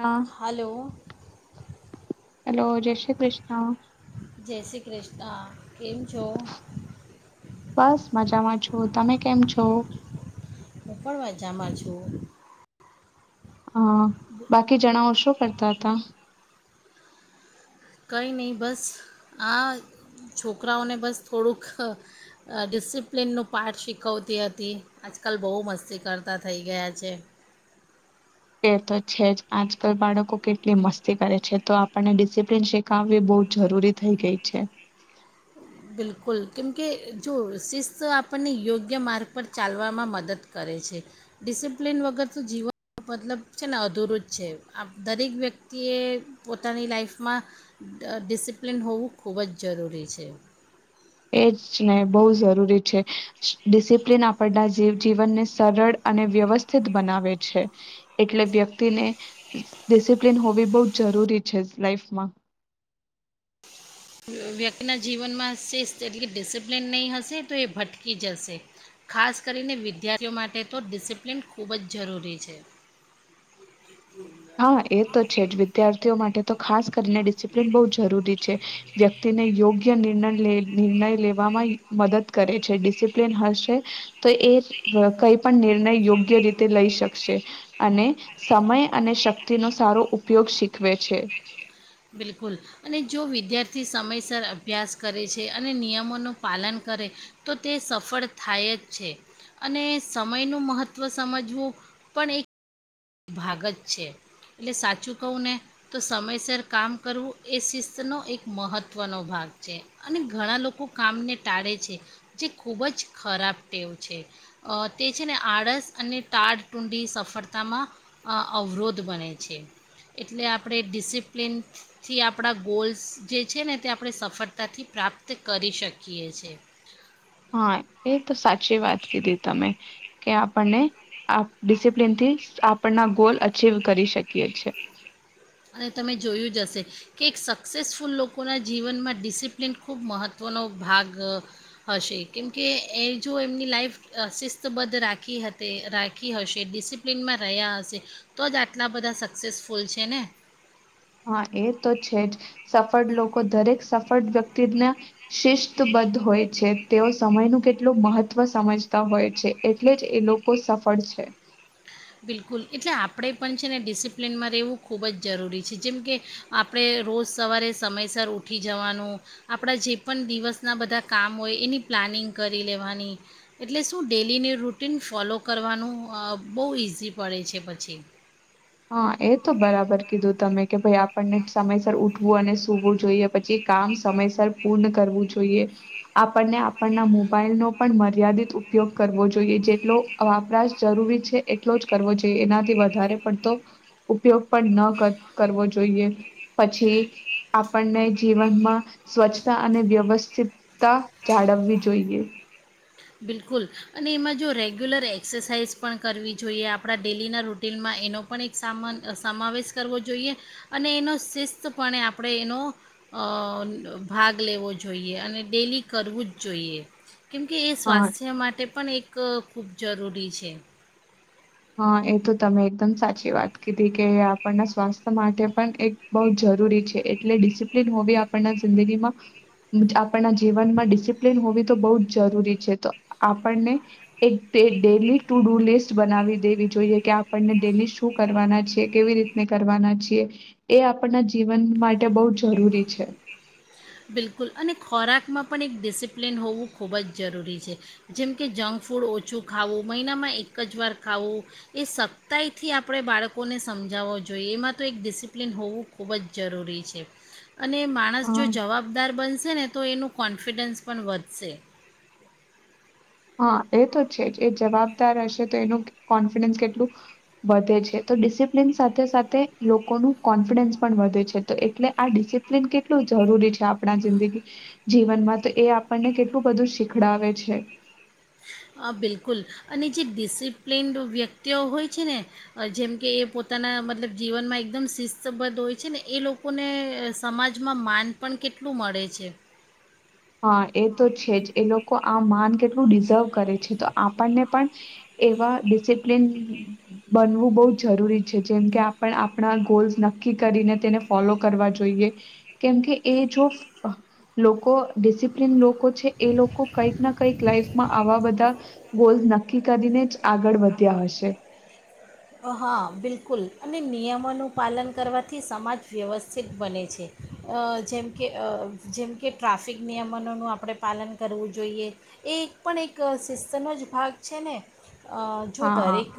હા hello hello, જય શ્રી કૃષ્ણ. જય શ્રી કૃષ્ણ. કેમ છો બસ મજામાં છો. તમે કેમ છો? હું પણ વાજામા છું. હા બાકી જણાઓ, શું કરતા હતા? કંઈ નહીં બસ આ છોકરાઓને બસ થોડુંક ડિસિપ્લિનનું પાઠ શીખવતી હતી આજકાલ બહુ મસ્તી કરતા થઈ ગયા છે. એ તો છે જ આજકાલ બાળકો કેટલી મસ્તી કરે છે તો આપણને ડિસિપ્લિન શીખાવવી બહ જરૂરી થઈ ગઈ છે. બિલકુલ કેમકે જો શિસ્ત આપણને યોગ્ય માર્ગ પર ચાલવામાં મદદ કરે છે. ડિસિપ્લિન વગર તો જીવન મતલબ છે ને અધૂરું જ છે. દરેક વ્યક્તિએ પોતાની લાઈફમાં ડ ડિસિપ્લિન હોવું ખૂબ જ જરૂરી છે. એ જ ને બહુ જરૂરી છે. ડિસિપ્લિન આપણના જીવ જીવનને સરળ અને વ્યવસ્થિત બનાવે છે. એટલે વ્યક્તિને ડિસિપ્લિન હોવી બહુ જરૂરી છે લાઈફમા. વ્યક્તિના જીવનમાં શિસ્ત એટલે ડિસિપ્લિન નહીં હશે તો એ ભટકી જશે ખાસ કરીને વિદ્યાર્થીઓ માટે તો ડિસિપ્લિન ખૂબ જ જરૂરી છે. હા એ તો છે જ વિદ્યાર્થીઓ માટે તો ખાસ કરીને ડિસિપ્લીન બહુ જરૂરી છે વ્યક્તિને યોગ્ય નિર્ણય નિર્ણય લેવામાં મદદ કરે છે ડિસિપ્લન હશે તો એ કઈ પણ નિર્ણય યોગ્ય રીતે લઈ શકશે અને સમય અને શક્તિનોો સારો ઉપ ઉપયોગ શીખવે છે બિલકુલ અને જો વિદ્યાર્થી સમયસર અભ્યાસ કરે છે અને નિયમોનું પાલન કરે તો તે સફળ થાય જ છે અને સમયનું મહત્ત્વ સમજવું પણ એક ભાગ જ છે એટલે સાચું કહું ને તો સમયસર કામ કરવું એ શિસ્તનો એક મહત્ત્વનો ભાગ છે અને ઘણા લોકો કામને ટાળે છે જે ખૂબ જ ખરાબ ટેવ છે તે છે ને આળસ અને ટાળ ટુંડી સફળતામાં અવરોધ બને છે એટલે આપણે ડિસિપ્લિનથી આપણા ગોલ્સ જે છે ને તે આપણે સફળતાથી પ્રાપ્ત કરી શકીએ છે. હા એ તો સાચી વાત કીધી તમે કે આપણને આપ ડિસિપ્લિનથી આપણના ગોલ અચીવ કરી શકીએ છે. અને તમે જોયું જ હશે કે એક સક્સેસફુલ લોકોના જીવનમાં ડિસિપ્લિન ખૂબ મહત્ત્વનો ભાગ હશે કેમકે એ જો એમની લાઈફ શિસ્તબદ્ધ રાખી હતી રાખી હશે ડિસિપ્લિનમાં રહ્યા હશે તો જ આટલા બધા સક્સેસફુલ છે ને હા એ તો છે જ સફળ લોકો દરેક સફળ વ્યક્તિના શિસ્તબદ્ધ હોય છે. તેઓ સમયનું કેટલું મહત્વ સમજતા હોય છે એટલે જ એ લોકો સફળ છે. બિલકુલ એટલે આપણે પણ છે ને ડિસિપ્લિનમાં રહેવું ખૂબ જ જરૂરી છે જેમ કે આપણે રોજ સવારે સમયસર ઉઠી જવાનું આપણા જે પણ દિવસના બધા કામ હોય એની પ્લાનિંગ કરી લેવાની એટલે શું ડેલીની રૂટન ફોલો કરવાનું બહુ ઇઝી ઘસી પડે છે પછી હા એ તો બરાબર કીધું તમે કે ભાઈ આપણને સમયસર ઉઠવું અને સુવું જોઈએ પછી કામ સમયસર પૂર્ણ જોઈ આપને આપના મોબાઈલ ન પણ મર્યાદિત ઉપયોગ કરવો જોઈએ જેટલો વપરાશ જરૂરી છે એટલો જ કરવો જોઈએ એનાથી વધારે તો ઉપયોગ પણ ન કરવો જોઈએ પછી આપણને જીવનમાં સ્વચ્છતા અને વ્યવસ્થિતતા જાળવવી જોઈએ. બિલકુલ અને એમાં જો રેગ્યુલર એક્સરસાઇઝ પણ કરવી જોઈએ આપણા ડેલીના રૂ હોટેલમાં એનો પણ સામાન સમાવેશ કરવો જોઈએ અને એનો શિસ્તપણે આપણે એનો ભાગ લેવો જોઈએ અને ડેલી કરવું જ જોઈએ કેમકે એ હા સ્વાસ્થ્ય માટે પણ એક ક ખૂબ જરૂરી છે. હા એ તો તમે એકદમ સાચી વાત કીધી કે આપણના સ્વાસ્થ્ય માટે પણ એક બહ જરૂરી છે એટલે ડિસિપ્લિન હોવી આપણના જિંદગીમાં આપણના જીવનમાં ડિસિપ્લિન હોવી તો બહું જ જરૂરી છે તો આપણને એક ડેલી ટુ ડુ લિસ્ટ બનાવી દેવી જોઈએ કે આપને ડેલી શું કરવાના છે કેવી રીતને કરવાના છીએ એ આપના જીવન માટે બ જરૂરી છે. બિલકુલ અને ખોરાકમાં પણ એક ડિસિપ્લિન હોવું ખૂબ જ જરૂરી છે જેમ કે જંક ફૂડ ઓછું ખાવું મહિનામાં એક જ વાર ખાવું એ સખ્તાઈથી આપણે બાળકોને સમજાવવો જોઈએ એમાં તો એક ડિસિપ્લિન હોવું ખૂબ જ જરૂરી છે. અને માણસ જો હા જવાબદાર બનશે ને તો એનું કોન્ફિડન્સ પણ વધશે. હા એ તો છે જ એ જવાબદાર હશે તો એનું કોન્ફિડન્સ કેટલું વધે છે તો ડિસિપ્લિન સાથે સાથે લોકોનું કોન્ફિડન્સ પણ વધે છે તો એટલે આ ડિસિપ્લિન કેટલું જરૂરી છે આપણા જિંદગી જીવનમાં તો એ આપણને કેટલું બધું શીખડાવે છે. બિલકુલ અને જે ડિસિપ્લિન્ડ વ્યક્તિઓ હોય છે ને જેમ કે એ પોતાના મતલબ જીવનમાં એકદમ શિસ્તબદ્ધ હોય છે ને એ લોકોને સમાજમાં માન પણ કેટલું મળે છે. હા એ તો છે જ એ લોકો લોકો આ માન કેટલું ડિઝર્વ કરે છે તો આપણને પણ એવા ડિસિપ્લન બનવું બહ જરૂરી છે જેમ કે આપ આપણા ગોલ્સ નક્કી કરીને તેને ફોલો કરવા જોઈએ કેમકે એ જો લોકો ડિસિપ્લન લોકો છે એ લોકો કંઈક ના કંઈક લાઈફમાં આવા બધા ગોલ્ નક્કી કરીને જ આગળ વધ્યા હશે. હા બિલકુલ અને નિયમોનું પાલન કરવાથી સમાજ વ્યવસ્થિત બને છે, જેમ કે જેમ કે ટ્રાફિક નિયમનોનું આપણે પાલન કરવું જોઈએ, એ એક પણ એક સિસ્તનો જ ભાગ છે ને. જો હા હા દરેક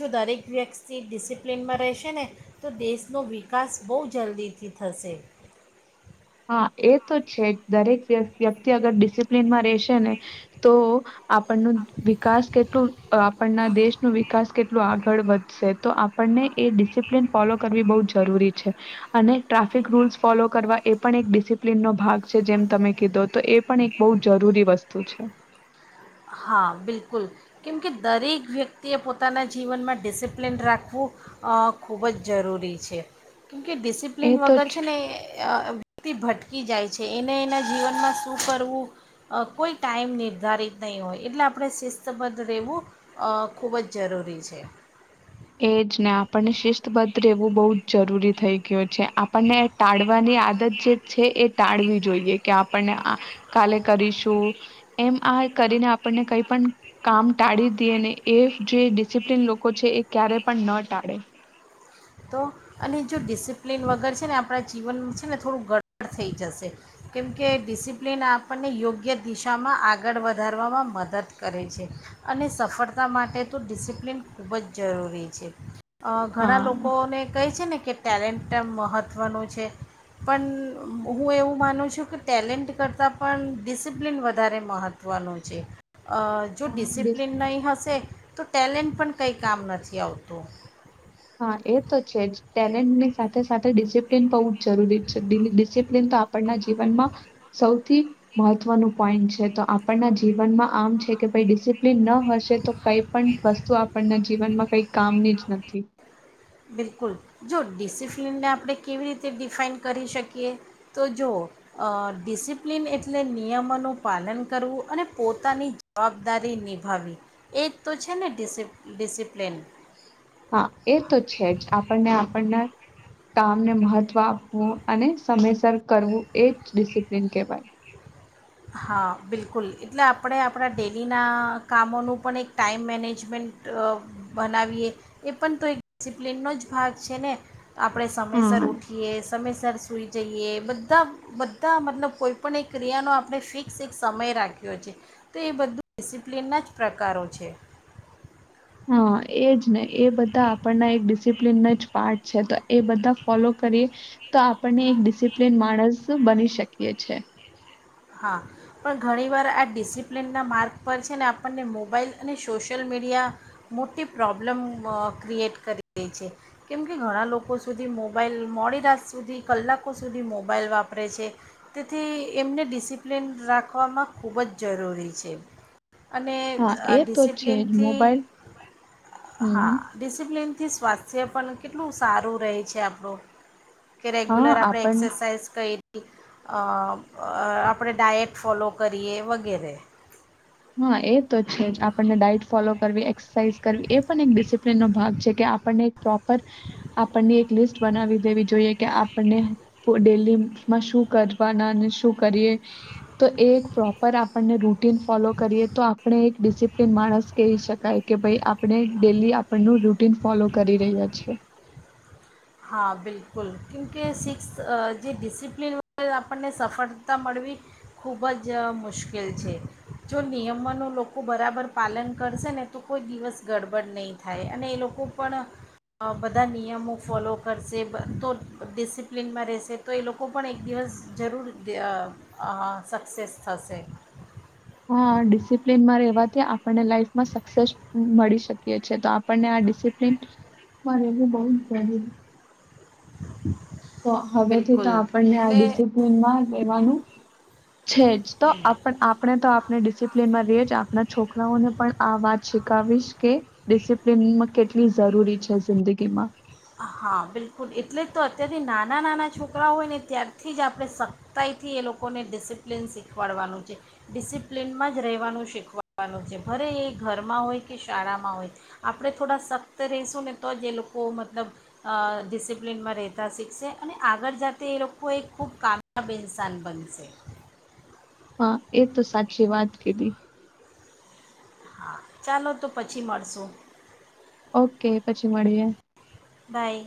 જો દરેક વ્યક્તિ ડિસિપ્લિનમાં રહેશે ને, તો દેશનો વિકાસ બહુ જલ્દીથી થશે. હા એ તો છે દરેક વ્યક્તિ અગર ડિસિપ્લીનમાં રહેશે ને, તો આપણ ન વિકાસ કેટલું આપણના દેશ ન વિકાસ કેટલું આગળ વધ તો આપણને એ ડિસિપ્લન ફોલો કરવી બહ જરૂરી છે, અને ટ્રાફિક રૂલ્સ ફોલો કરવા એ પણ એક ડિસિપ્લિનનો ભાગ છે જેમ તમે કીધો તો એ પણ એક બહુ જરૂરી વસ્તુ છે. હા બિલકુલ, કેમકે દરેક વ્યક્તિએ પોતાના જીવનમાં ડિસિપ્લિન રાખવું, ખૂબ જ જરૂરી છે. કેમકે એ ડિસિપ્લિન તો વગર છે ને એ વ્યક્તિ ભટકી જાય છે એને એના જીવનમાં શું કરવું, કોઈ ટાઈમ નિર્ધારિત નહીં હોય એટલે આપણે શિસ્તબદ્ધ રહેવું, ખૂબ જ જરૂરી છે. એજ ને આપણને શિસ્તબદ્ધ રહેવું બહુ જ જરૂરી થઈ ગયું છે. આપણને ટાળવાની આદત જે છે એ ટાળવી જોઈએ કે આપણને, આ કાલે કરીશું એમ આ કરીને આપણને કઈ પણ કામ ટાળી દઈએ ને એ જે ડિસિપ્લન લોકો છે એ ક્યારે પણ ન ટાળે. તો, અને જો ડિસિપ્લિન વગર છે ને આપણાં જીવનમાં છે ને થોડું ગડ થઈ જશે, કેમકે ડિસિપ્લિન આપણને યોગ્ય દિશામાં આગળ વધારવામાં મદદ કરે છે, અને સફળતા માટે તો ડિસિપ્લિન ખૂબ જ જરૂરી છે. અ ઘણા હા લોકો હા, લોકોને કહે છે ને કે ટેલેન્ટ મહત્ત્વનું છે, પણ હું એવું માનું છું કે ટેલેન્ટ કરતાં પણ ડિસિપ્લિન વધારે મહત્ત્વનું છે. અ જો ડિસ ડિસિપ્લન નહીં હશે તો ટેલેન્ટ પણ કંઈ કામ નથી આવતું. હા એ તો છે ટેલેન્ટ ની સાથે સાથે ડિસિપ્લિન બહુ જ જરૂરી છે ડિસિપ્લિન તો આપણના જીવનમાં, સૌથી મહત્વનું પોઈન્ટ છે તો આપણના જીવનમાં આમ છે કે ભાઈ ડિસિપ્લિન ન હશે તો કઈ પણ વસ્તુ આપણના જીવનમાં કઈ કામની જ નથી. બિલકુલ, જો ડિસિપ્લિનને આપણે કેવી રીતે ડિફાઈન કરી શકીએ, તો જોઓ ડિસિપ્લિન એટલે નિયમોનું પાલન કરવું અને પોતાની જવાબદારી નિભાવવી, એક તો છે ને ડિસ ડિસિપ્લિન. હા એ તો છે જ આપણને આપણને, કામને મહત્વ આપવું અને સમયસર કરવું એ જ ડિસિપ્લિન કહેવાય. હા બિલકુલ એટલે આપણે આપણા ડેલીના કામોનું પણ એક ટાઈમ મેનેજમેન્ટ બનાવીએ, એ પણ તો એક ડિસિપ્લિનનો જ ભાગ છે ને. આપણે સમયસર હમ ઉઠીએ સમયસર સુઈ જઈએ બધા બધા મતલબ કોઈપણ એક ક્રિયાનો આપણે ફિક્સ એક સમય રાખ્યો છે, તો એ બધું ડિસિપ્લિનના જ પ્રકારો છે. હા એ જ ને એ બધા આપણના એક ડિસિપ્લિનના જ પાર્ટ છે તો એ બધા ફોલો કરીએ, તો આપણને એક ડિસિપ્લિન માણસ બની શકીએ છે. હા, પણ ઘણીવાર આ ડિસિપ્લિનના માર્ગ પર છે ને આપણને મોબાઈલ અને સોશિયલ, મીડિયા મોટી પ્રોબ્લમ ક્રિએટ કરી રહી છે, કેમ કે ઘણા લોકો સુધી મોબાઈલ મોડી રાત સુધી કલાકો સુધી મોબાઈલ વાપરે છે, તેથી એમને ડિસ ડિસિપ્લિન રાખવામાં ખૂબ જ જરૂરી છે. અને હા એ તો છે જ ડિસિપ્લનથી મોબાઈલ હમ હા ડિસિપ્લન થી સ્વાસ્થ્ય પણ કેટલું સારું રહે છે આપણું. કે હા રેગ્યુલર આપડે આપણ એક્સરસાઇઝ કરી અ આપ આપણે ડાયટ ફોલો કરીએ વગેરે. હા એ તો છે જ આપણને ડઇટ ફોલો કરવી એક્સરસાાઈઝ કરવી એ પણ એક ડિસિપ્લીનનો ભાગ છે કે આપણને એક પ્રોપર, આપણને એક લિસ્ટ બનાવી દેવી જોઈએ કે આપને ડેલી શું કરવા શું કરી તો એ પ્રોપર આપણને રૂટીન ફોલો. કરીએ તો આપ. આપણે એક ડિસિપ્લન માણસ કહી શકાય કે ભાઈ આપણે ડેલી આપણનું રૂટીન ફોલો કરી રહ્યા છે. હા બિલકુલ કેમકે સિક્સ જે ડિસિપ્લિન વ આપણને સફળતા મળવી ખૂબ જ મુશ્કેલ છે જો નિયમોનું લોકો બરાબર પાલન કરશે ને તો કોઈ દિવસ ગડબડ નહીં થાય અને એ લોકો પણ બધા નિયમો ફોલો કરશે તો ડિસિપ્લિનમાં રહેશે તો એ લોકો પણ એક દિવસ જરૂર સક્સેસ થશે. તે્યા આપ. લાઈફમાં સક્સેસ મળી. તો આપને ડિસિપ્લન માં રહેું બહુ તો હવેથી તો બિલકુલ આપણને આ એટલે ડિસિપ્લીનમાં રહેવાનું છે જ તો આપણે તો આપણે ડિસિપ્લીનમાં રહીએ જ આપણા છોકરાઓને પણ આ વાત શીખાવીશ ડિસિપ્લનમાં કેટ કેટલી જરૂરી છે જિંદગીમાં હા બિલકુલ એટલે જ તો અત્યારથી નાના નાના છોકરા હોય ને ત્યારથી જ આપણે સખ્તાઈથી એ લોકોને ડિસિપ્લિન શીખવાડવાનું છે ડિસિપ્લિનમાં જ રહેવાનું શીખવાડવાનું છે ભરે એ ઘરમાં હોય કે શાળામાં હોય આપણે થોડા સખ્ત રહશું ને તો જ એ લોકો મ મતલબ ડિસિપ્લિનમાં રહેતા શીખશે અને આગળ જાતે એ લોકો એક ખૂબ કામયાબ ઇન્સાન બનશે. હા એ તો સાચી વાત કીધી. હા ચાલો તો પછી મળશું. ઓકે પછી મળીએ. બાય